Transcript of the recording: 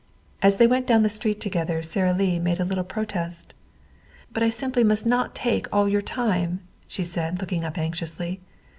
As they went down to the street together Sara Lee made a little protest. "But I simply must not take all your time," she said, looking up anxiously.